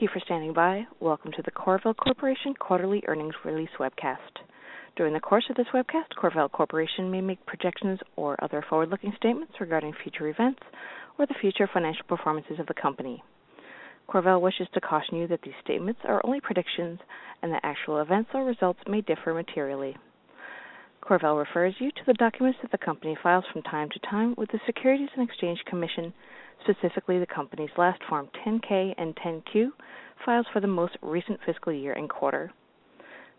Thank you for standing by. Welcome to the CorVel Corporation Quarterly Earnings Release Webcast. During the course of this webcast, CorVel Corporation may make projections or other forward-looking statements regarding future events or the future financial performances of the company. CorVel wishes to caution you that these statements are only predictions and that actual events or results may differ materially. CorVel refers you to the documents that the company files from time to time with the Securities and Exchange Commission, specifically the company's last Form 10-K and 10-Q files for the most recent fiscal year and quarter.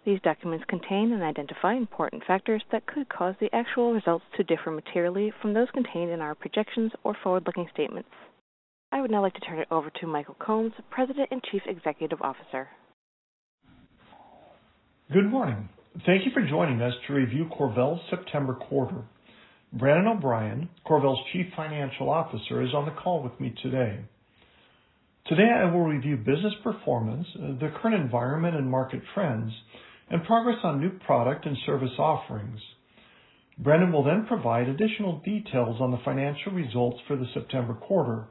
These documents contain and identify important factors that could cause the actual results to differ materially from those contained in our projections or forward-looking statements. I would now like to turn it over to Michael Combs, President and Chief Executive Officer. Good morning. Thank you for joining us to review CorVel's September quarter. Brandon O'Brien, CorVel's Chief Financial Officer, is on the call with me today. Today, I will review business performance, the current environment and market trends, and progress on new product and service offerings. Brandon will then provide additional details on the financial results for the September quarter.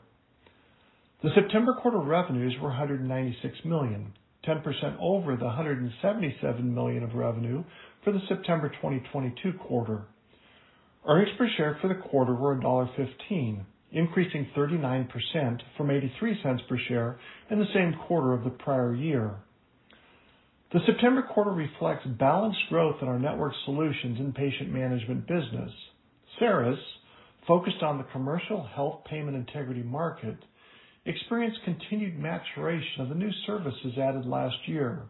The September quarter revenues were $196 million, 10% over the $177 million of revenue for the September 2022 quarter. Earnings per share for the quarter were $1.15, increasing 39% from $0.83 per share in the same quarter of the prior year. The September quarter reflects balanced growth in our network solutions and patient management business. CERIS, focused on the commercial health payment integrity market, experienced continued maturation of the new services added last year.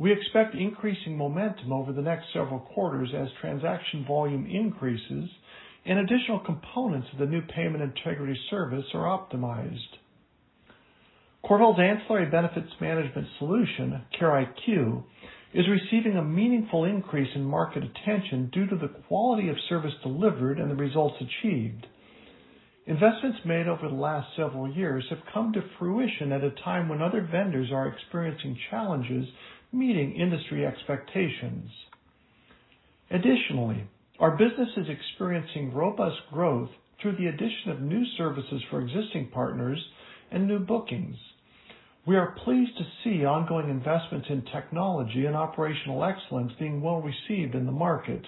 We expect increasing momentum over the next several quarters as transaction volume increases and additional components of the new payment integrity service are optimized. CorVel's Ancillary Benefits Management solution, CareIQ, is receiving a meaningful increase in market attention due to the quality of service delivered and the results achieved. Investments made over the last several years have come to fruition at a time when other vendors are experiencing challenges meeting industry expectations. Additionally, our business is experiencing robust growth through the addition of new services for existing partners and new bookings. We are pleased to see ongoing investments in technology and operational excellence being well received in the market,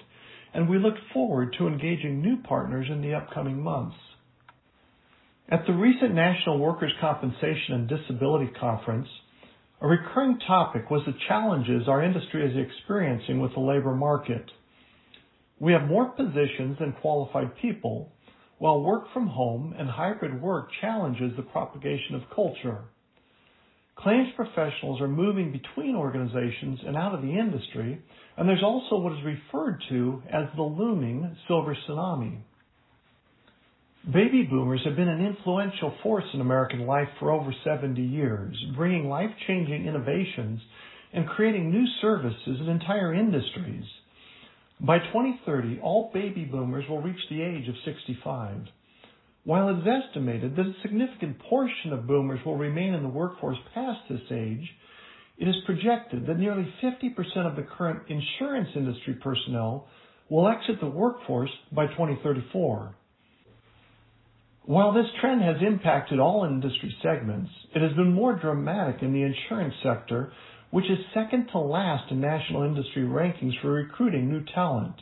and we look forward to engaging new partners in the upcoming months. At the recent National Workers' Compensation and Disability Conference, a recurring topic was the challenges our industry is experiencing with the labor market. We have more positions than qualified people, while work from home and hybrid work challenges the propagation of culture. Claims professionals are moving between organizations and out of the industry, and there's also what is referred to as the looming Silver Tsunami. Baby Boomers have been an influential force in American life for over 70 years, bringing life-changing innovations and creating new services and entire industries. By 2030, all Baby Boomers will reach the age of 65. While it's estimated that a significant portion of boomers will remain in the workforce past this age, it is projected that nearly 50% of the current insurance industry personnel will exit the workforce by 2034. While this trend has impacted all industry segments, it has been more dramatic in the insurance sector, which is second to last in national industry rankings for recruiting new talent.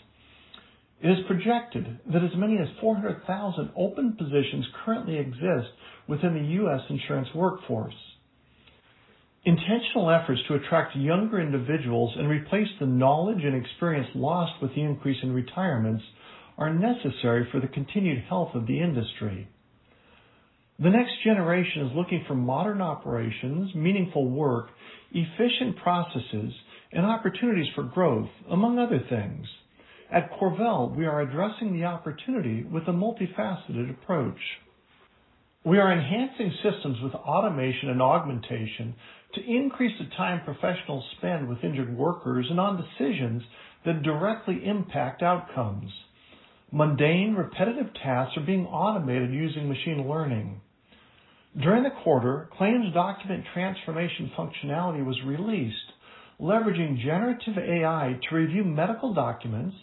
It is projected that as many as 400,000 open positions currently exist within the U.S. insurance workforce. Intentional efforts to attract younger individuals and replace the knowledge and experience lost with the increase in retirements are necessary for the continued health of the industry. The next generation is looking for modern operations, meaningful work, efficient processes, and opportunities for growth, among other things. At CorVel, we are addressing the opportunity with a multifaceted approach. We are enhancing systems with automation and augmentation to increase the time professionals spend with injured workers and on decisions that directly impact outcomes. Mundane, repetitive tasks are being automated using machine learning. During the quarter, claims document transformation functionality was released, leveraging generative AI to review medical documents,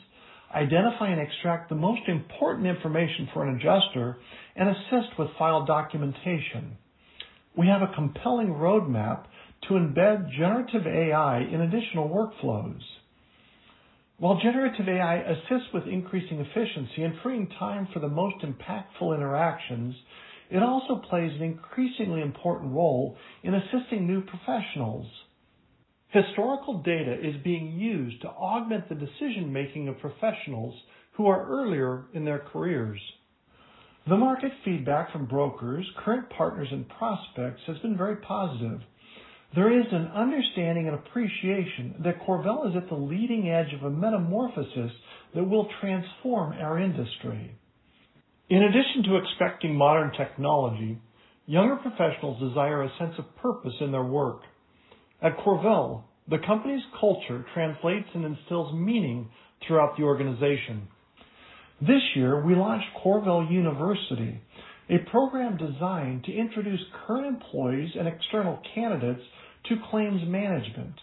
identify and extract the most important information for an adjuster, and assist with file documentation. We have a compelling roadmap to embed generative AI in additional workflows. While generative AI assists with increasing efficiency and freeing time for the most impactful interactions, it also plays an increasingly important role in assisting new professionals. Historical data is being used to augment the decision-making of professionals who are earlier in their careers. The market feedback from brokers, current partners, and prospects has been very positive. There is an understanding and appreciation that CorVel is at the leading edge of a metamorphosis that will transform our industry. In addition to expecting modern technology, younger professionals desire a sense of purpose in their work. At CorVel, the company's culture translates and instills meaning throughout the organization. This year, we launched CorVel University, a program designed to introduce current employees and external candidates to claims management.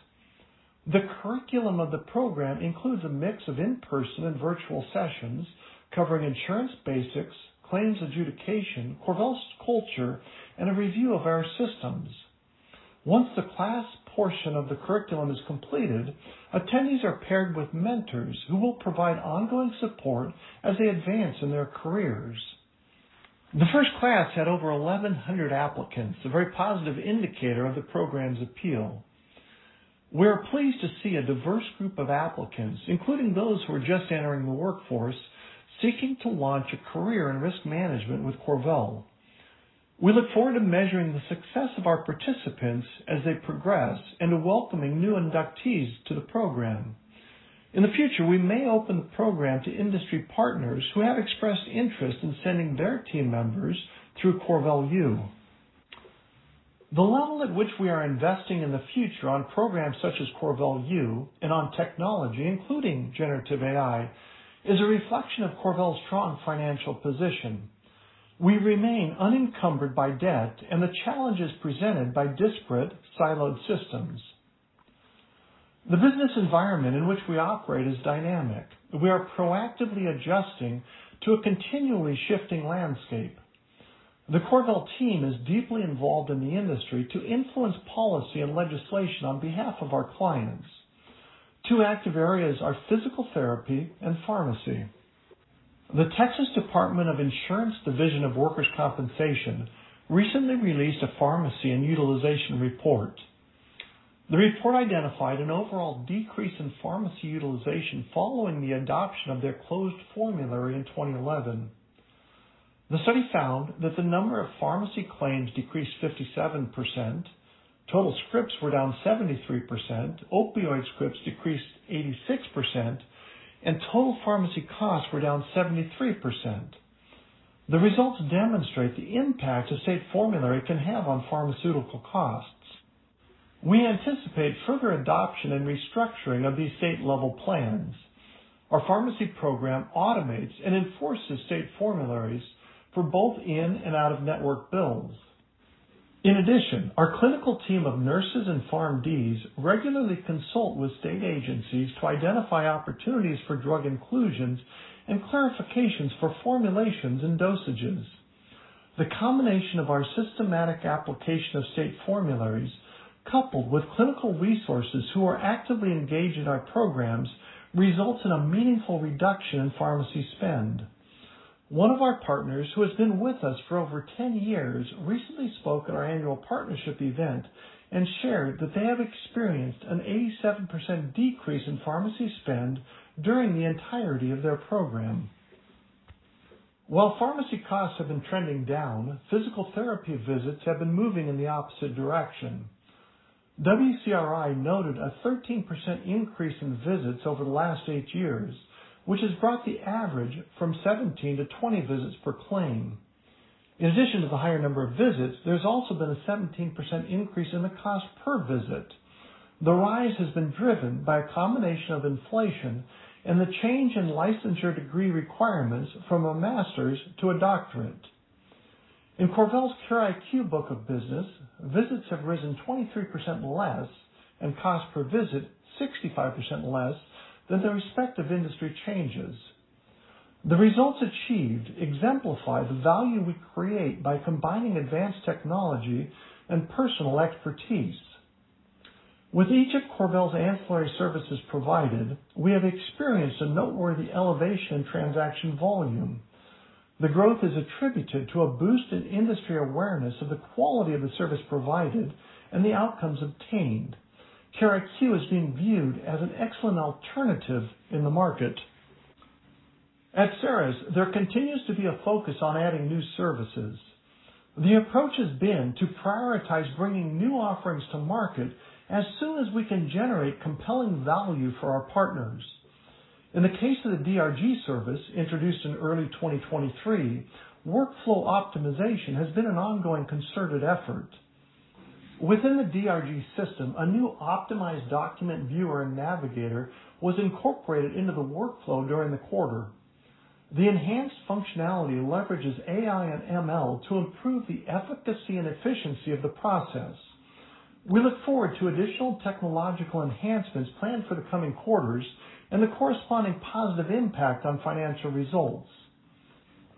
The curriculum of the program includes a mix of in-person and virtual sessions covering insurance basics, claims adjudication, CorVel's culture, and a review of our systems. Once the class portion of the curriculum is completed, attendees are paired with mentors who will provide ongoing support as they advance in their careers. The first class had over 1,100 applicants, a very positive indicator of the program's appeal. We are pleased to see a diverse group of applicants, including those who are just entering the workforce, seeking to launch a career in risk management with CorVel. We look forward to measuring the success of our participants as they progress, and to welcoming new inductees to the program. In the future, we may open the program to industry partners who have expressed interest in sending their team members through CorVel U. The level at which we are investing in the future on programs such as CorVel U and on technology, including generative AI, is a reflection of CorVel's strong financial position. We remain unencumbered by debt and the challenges presented by disparate, siloed systems. The business environment in which we operate is dynamic. We are proactively adjusting to a continually shifting landscape. The CorVel team is deeply involved in the industry to influence policy and legislation on behalf of our clients. Two active areas are physical therapy and pharmacy. The Texas Department of Insurance Division of Workers' Compensation recently released a pharmacy and utilization report. The report identified an overall decrease in pharmacy utilization following the adoption of their closed formulary in 2011. The study found that the number of pharmacy claims decreased 57%, total scripts were down 73%, opioid scripts decreased 86%, and total pharmacy costs were down 73%. The results demonstrate the impact a state formulary can have on pharmaceutical costs. We anticipate further adoption and restructuring of these state-level plans. Our pharmacy program automates and enforces state formularies for both in and out-of-network bills. In addition, our clinical team of nurses and PharmDs regularly consult with state agencies to identify opportunities for drug inclusions and clarifications for formulations and dosages. The combination of our systematic application of state formularies, coupled with clinical resources who are actively engaged in our programs, results in a meaningful reduction in pharmacy spend. One of our partners, who has been with us for over 10 years, recently spoke at our annual partnership event and shared that they have experienced an 87% decrease in pharmacy spend during the entirety of their program. While pharmacy costs have been trending down, physical therapy visits have been moving in the opposite direction. WCRI noted a 13% increase in visits over the last eight years, which has brought the average from 17 to 20 visits per claim. In addition to the higher number of visits, there's also been a 17% increase in the cost per visit. The rise has been driven by a combination of inflation and the change in licensure degree requirements from a master's to a doctorate. In CorVel's CareIQ book of business, visits have risen 23% less, and cost per visit 65% less than the respective industry changes. The results achieved exemplify the value we create by combining advanced technology and personal expertise. With each of CorVel's ancillary services provided, we have experienced a noteworthy elevation in transaction volume. The growth is attributed to a boost in industry awareness of the quality of the service provided and the outcomes obtained. CareIQ is being viewed as an excellent alternative in the market. At CERIS, there continues to be a focus on adding new services. The approach has been to prioritize bringing new offerings to market as soon as we can generate compelling value for our partners. In the case of the DRG service, introduced in early 2023, workflow optimization has been an ongoing concerted effort. Within the DRG system, a new optimized document viewer and navigator was incorporated into the workflow during the quarter. The enhanced functionality leverages AI and ML to improve the efficacy and efficiency of the process. We look forward to additional technological enhancements planned for the coming quarters and the corresponding positive impact on financial results.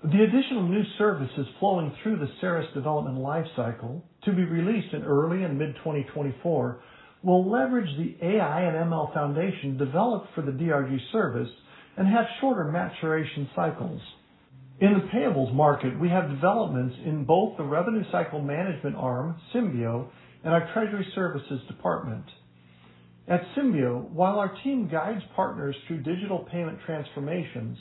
The additional new services flowing through the CERIS development life cycle, to be released in early and mid-2024, will leverage the AI and ML foundation developed for the DRG service and have shorter maturation cycles. In the payables market, we have developments in both the revenue cycle management arm, Symbeo, and our treasury services department. At Symbeo, while our team guides partners through digital payment transformations,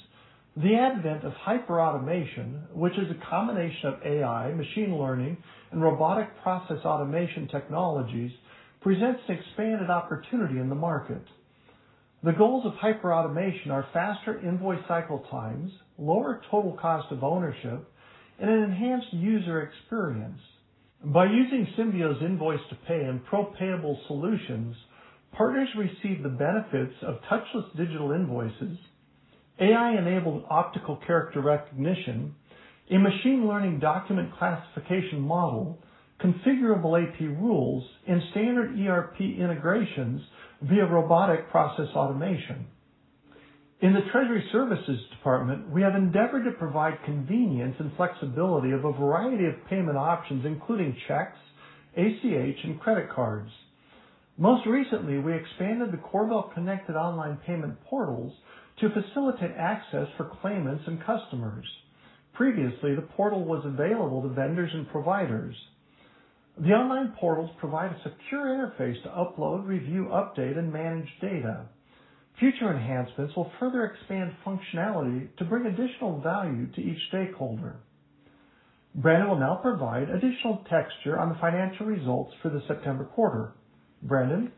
the advent of hyperautomation, which is a combination of AI, machine learning, and robotic process automation technologies, presents expanded opportunity in the market. The goals of hyperautomation are faster invoice cycle times, lower total cost of ownership, and an enhanced user experience. By using Symbeo's Invoice-to-Pay and pro payable solutions, partners receive the benefits of touchless digital invoices, AI-enabled optical character recognition, a machine learning document classification model, configurable AP rules, and standard ERP integrations via robotic process automation. In the Treasury Services Department, we have endeavored to provide convenience and flexibility of a variety of payment options, including checks, ACH, and credit cards. Most recently, we expanded the CorVel connected online payment portals to facilitate access for claimants and customers. Previously, the portal was available to vendors and providers. The online portals provide a secure interface to upload, review, update, and manage data. Future enhancements will further expand functionality to bring additional value to each stakeholder. Brandon will now provide additional texture on the financial results for the September quarter. Brandon?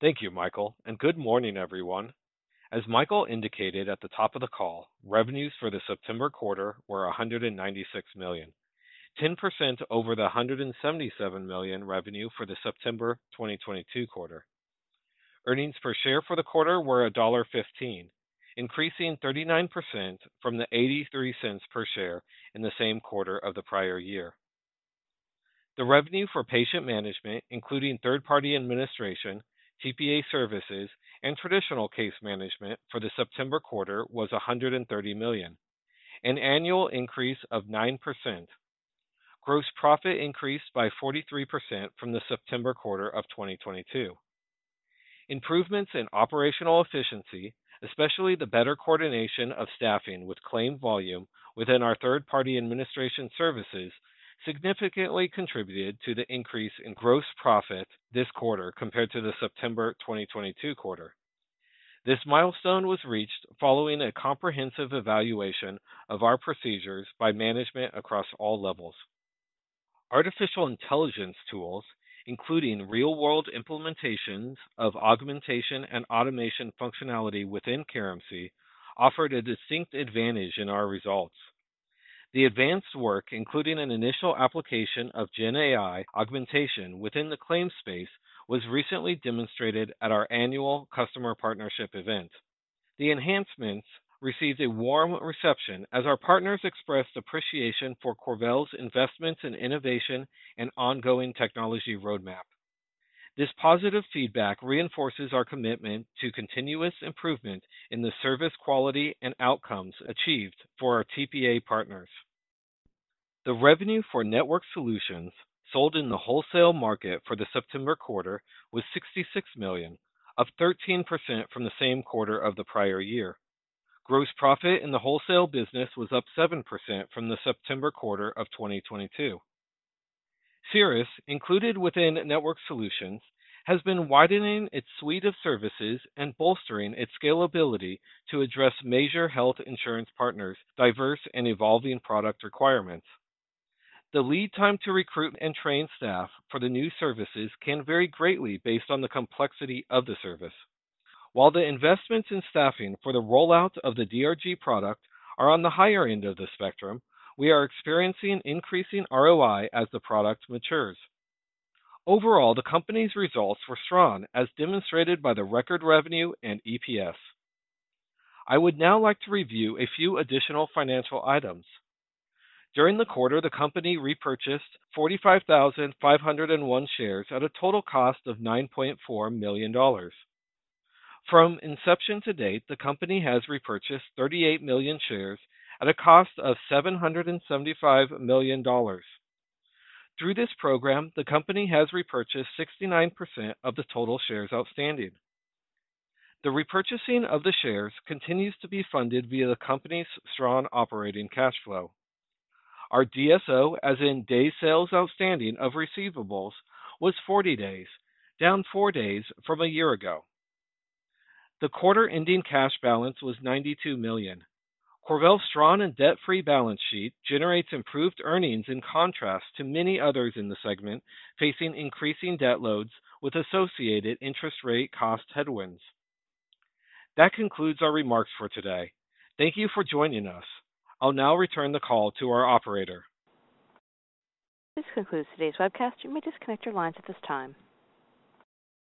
Thank you, Michael, and good morning, everyone. As Michael indicated at the top of the call, revenues for the September quarter were $196 million, 10% over the $177 million revenue for the September 2022 quarter. Earnings per share for the quarter were $1.15, increasing 39% from the $0.83 per share in the same quarter of the prior year. The revenue for patient management, including third-party administration, TPA services, and traditional case management for the September quarter, was $130 million, an annual increase of 9%. Gross profit increased by 43% from the September quarter of 2022. Improvements in operational efficiency, especially the better coordination of staffing with claim volume within our third-party administration services, significantly contributed to the increase in gross profit this quarter compared to the September 2022 quarter. This milestone was reached following a comprehensive evaluation of our procedures by management across all levels. Artificial intelligence tools, including real-world implementations of augmentation and automation functionality within CareMC, offered a distinct advantage in our results. The advanced work, including an initial application of GenAI augmentation within the claims space, was recently demonstrated at our annual customer partnership event. The enhancements received a warm reception as our partners expressed appreciation for CorVel's investments in innovation and ongoing technology roadmap. This positive feedback reinforces our commitment to continuous improvement in the service, quality, and outcomes achieved for our TPA partners. The revenue for network solutions sold in the wholesale market for the September quarter was $66 million, up 13% from the same quarter of the prior year. Gross profit in the wholesale business was up 7% from the September quarter of 2022. CERIS, included within Network Solutions, has been widening its suite of services and bolstering its scalability to address major health insurance partners' diverse and evolving product requirements. The lead time to recruit and train staff for the new services can vary greatly based on the complexity of the service. While the investments in staffing for the rollout of the DRG product are on the higher end of the spectrum, we are experiencing increasing ROI as the product matures. Overall, the company's results were strong, as demonstrated by the record revenue and EPS. I would now like to review a few additional financial items. During the quarter, the company repurchased 45,501 shares at a total cost of $9.4 million. From inception to date, the company has repurchased 38 million shares at a cost of $775 million. Through this program, the company has repurchased 69% of the total shares outstanding. The repurchasing of the shares continues to be funded via the company's strong operating cash flow. Our DSO, as in days sales outstanding of receivables, was 40 days, down four days from a year ago. The quarter-ending cash balance was $92 million. CorVel's strong and debt-free balance sheet generates improved earnings, in contrast to many others in the segment, facing increasing debt loads with associated interest rate cost headwinds. That concludes our remarks for today. Thank you for joining us. I'll now return the call to our operator. This concludes today's webcast. You may disconnect your lines at this time.